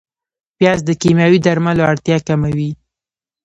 پیاز د کیمیاوي درملو اړتیا کموي